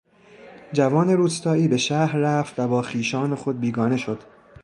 جوان روستایی به شهر رفت و با خویشان خود بیگانه شد.